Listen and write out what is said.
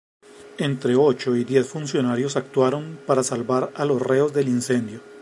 Entre ocho y diez funcionarios actuaron para salvar a los reos del incendio.